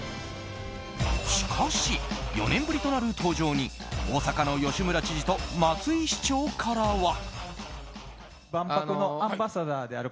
しかし、４年ぶりとなる登場に大阪の吉村知事と松井市長からは。